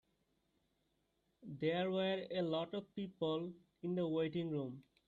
There were a lot of people in the waiting room.